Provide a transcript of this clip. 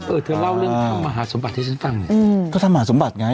เออเธอเล่าเมื่อธรรมหาสมบัติที่ฉันฟังอืมเขาทำมาสมบัติไง